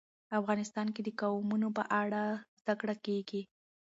افغانستان کې د قومونه په اړه زده کړه کېږي.